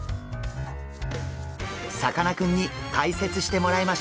さかなクンに解説してもらいましょう。